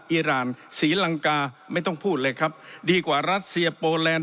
อีรานศรีลังกาไม่ต้องพูดเลยครับดีกว่ารัสเซียโปแลนด